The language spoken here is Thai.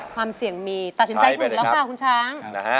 ความเสี่ยงมีตัดสินใจถูกแล้วค่ะคุณช้าง